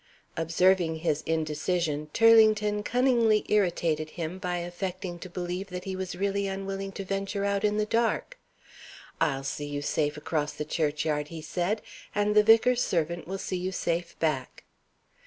Observing his indecision, Turlington cunningly irritated him by affecting to believe that he was really unwilling to venture out in the dark. "I'll see you safe across the churchyard," he said; "and the vicar's servant will see you safe back."